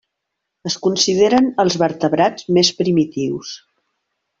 Es consideren els vertebrats més primitius.